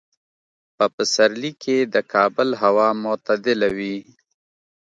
په پسرلي کې د کابل هوا معتدله وي.